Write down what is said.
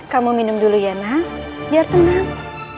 kamu minum dulu ya nak biar tenang